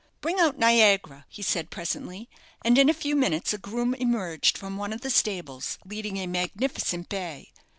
"Bring out 'Niagara,'" he said, presently, and in a few minutes a groom emerged from one of the stables, leading a magnificent bay.